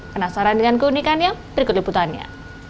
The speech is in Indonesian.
penasaran dengan keunikan ya berikut liputannya